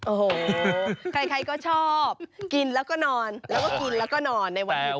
โอ้โหใครก็ชอบกินแล้วก็นอนแล้วก็กินแล้วก็นอนในวันนี้